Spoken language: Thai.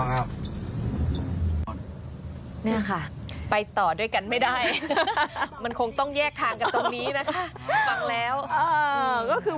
แล้วเขาก็ขอร้องให้คนขับรถแท็กซี่ลดระดับเสียงเพลงลงหน่อย